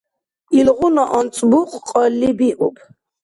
Илгъуна анцӀбукь кьалли биуб.